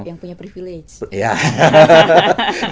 oh yang punya privilege